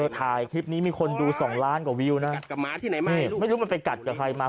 ทายคลิปนี้มีคนดูสองล้านกว่าวิวนะไม่รู้มันไปกัดกับใครมา